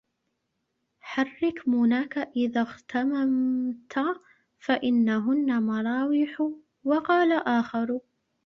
حَرِّكْ مُنَاك إذَا اغْتَمَمْت فَإِنَّهُنَّ مَرَاوِحُ وَقَالَ آخَرُ